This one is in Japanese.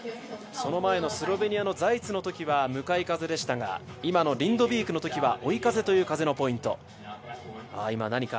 その前のスロベニアのザイツのときは向かい風でしたが、今のリンドビークのときは追い風という風のポイント。